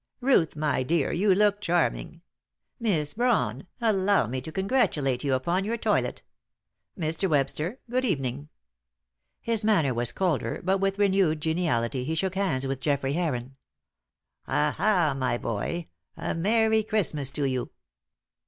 "Ruth, my dear, you look charming! Miss Brawn, allow me to congratulate you upon your toilet. Mr. Webster, good evening." His manner was colder but with renewed geniality he shook hands with Geoffrey Heron. "Ha, ha, my boy! a merry Christmas to you!"